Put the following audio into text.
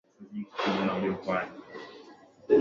mteja anaweza kupata mkopo wa siku saba